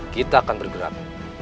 kita akan bergerak